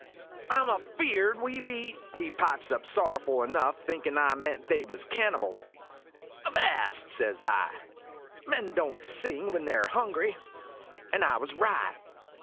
" I 'm afeared we be," he pipes up sorrowful enough, thinkin' I meant they was cannibals. " Avast !>; says I. " Men don't sing when they Ve hungry." And I was right.